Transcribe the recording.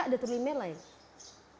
apalagi siang ini adalah syak detulimele